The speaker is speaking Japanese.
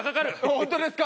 本当ですか？